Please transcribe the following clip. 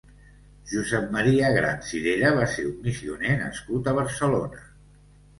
Josep Maria Gran Cirera va ser un missioner nascut a Barcelona.